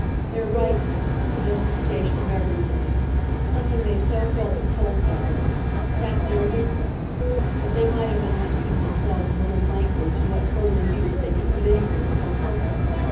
Their rightness, the justification of everything something they so felt the pulse of sat there with them; but they might have been asking themselves a little blankly to what further use they could put anything so perfect.